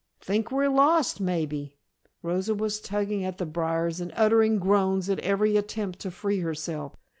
"Think we're lost, maybe." Rosa was tugging at the briars and uttering groans at every attempt to free herself.